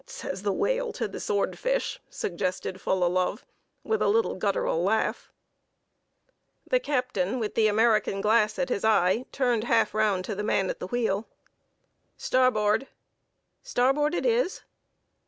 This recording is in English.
"Says the whale to the swordfish," suggested Fullalove, with a little guttural laugh. The captain, with the American glass at his eye, turned half round to the man at the wheel: "Starboard!" "Starboard it is."